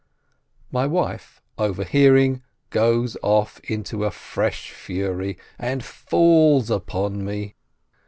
My wife, overhearing, goes off into a fresh fury, and falls upon me.